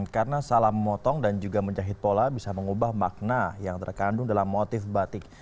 karena salah memotong dan juga menjahit pola bisa mengubah makna yang terkandung dalam motif batik